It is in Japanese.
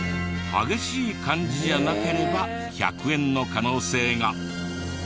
激しい感じじゃなければ１００円の可能性が。